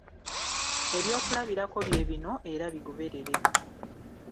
Ebyokulabirako bye bino era bigoberere.